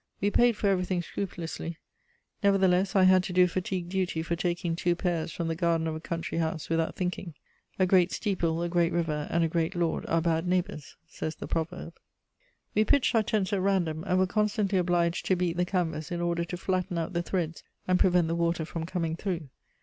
We paid for everything scrupulously; nevertheless I had to do fatigue duty for taking two pears from the garden of a country house without thinking. A great steeple, a great river and a great lord are bad neighbours, says the proverb. We pitched our tents at random, and were constantly obliged to beat the canvas in order to flatten out the threads and prevent the water from coming through.